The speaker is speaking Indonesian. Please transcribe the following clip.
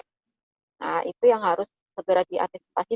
nah itu yang harus segera diantisipasi